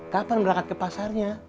kapan berangkat ke pasarnya